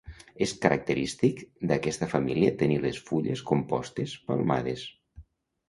És característic d'aquesta família tenir les fulles compostes palmades.